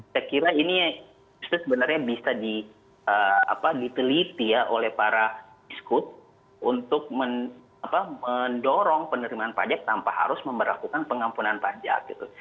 saya kira ini sebenarnya bisa diteliti ya oleh para iskut untuk mendorong penerimaan pajak tanpa harus memperlakukan pengampunan pajak gitu